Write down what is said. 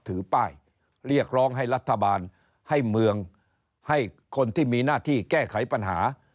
ถือป้ายเรียกร้องให้รัฐบาลให้เมืองให้คนที่มีหน้าที่แก้ไขปัญหา